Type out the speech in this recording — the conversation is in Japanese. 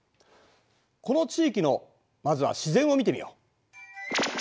この地域のまずは自然を見てみよう。